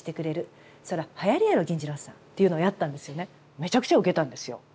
めちゃくちゃウケたんですよ。